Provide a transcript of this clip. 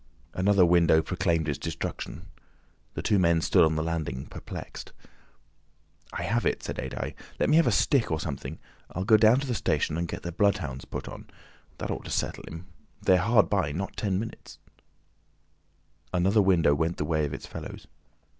Another window proclaimed its destruction. The two men stood on the landing perplexed. "I have it!" said Adye. "Let me have a stick or something, and I'll go down to the station and get the bloodhounds put on. That ought to settle him! They're hard by—not ten minutes—" Another window went the way of its fellows.